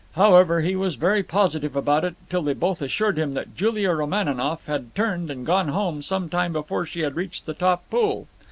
However, he was very positive about it till they both assured him that Julia Romaninov had turned and gone home some time before she had reached the top pool.